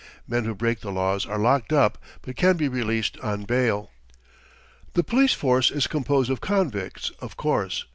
Men who break the laws are locked up, but can be released on bail. The police force is composed of convicts, of course.